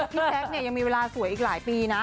พี่แจ๊คเนี่ยยังมีเวลาสวยอีกหลายปีนะ